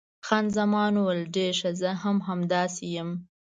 خان زمان وویل، ډېر ښه، زه هم همداسې یم.